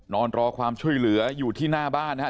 นอนรอความช่วยเหลืออยู่ที่หน้าบ้านนะฮะ